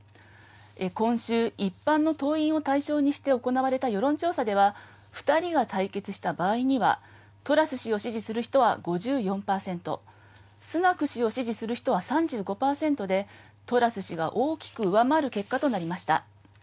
今週、一般の党員を対象にして行われた世論調査では、２人が対決した場合には、トラス氏を支持する人は５４％、スナク氏を支持する人は３５％で、トラス氏が大きく上回る結果となりました。